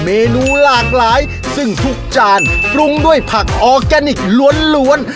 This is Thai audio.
เมนูหลากหลายซึ่งทุกจานปรุงด้วยผักออร์แกนิคล้วน